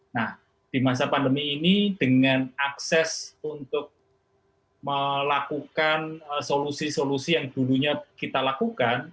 nah di masa pandemi ini dengan akses untuk melakukan solusi solusi yang dulunya kita lakukan